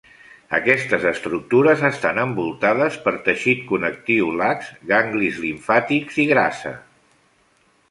Aquestes estructures estan envoltades per teixit connectiu lax, ganglis limfàtics i grassa.